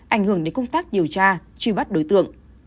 ảnh hưởng đến công tác điều tra truy bắt đối tượng